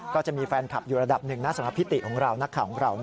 ก็จะมีแฟนคลับอยู่ระดับหนึ่งนะสำหรับพิติของเรานักข่าวของเรา